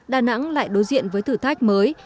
đà nẵng lại đối diện với thử thách mới